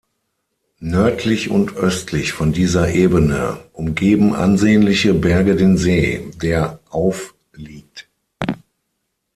Nördlich und östlich von dieser Ebene umgeben ansehnliche Berge den See, der auf liegt.